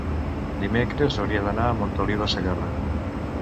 dimecres hauria d'anar a Montoliu de Segarra.